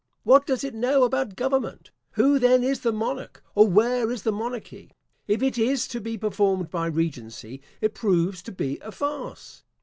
What does it know about government? Who then is the monarch, or where is the monarchy? If it is to be performed by regency, it proves to be a farce.